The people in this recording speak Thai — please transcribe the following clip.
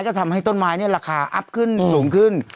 ก็ทำให้ต้นไม้เนี่ยราคาอัพขึ้นสูงขึ้น